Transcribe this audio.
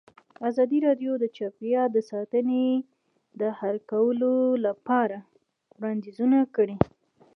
ازادي راډیو د چاپیریال ساتنه په اړه د حل کولو لپاره وړاندیزونه کړي.